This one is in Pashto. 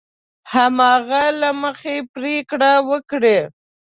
هماغه له مخې پرېکړه وکړي.